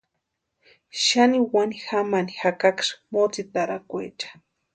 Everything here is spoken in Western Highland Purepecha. Xani wani jamani jakaksï motsitarakwecha.